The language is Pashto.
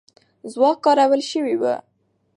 ځواک کارول سوی وو.